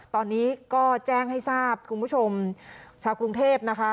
ตอนนี้ก็แจ้งให้ทราบคุณผู้ชมชาวกรุงเทพนะคะ